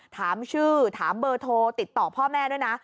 ถามชื่อถามเบอร์โทรติดต่อพ่อแม่ด้วยนะ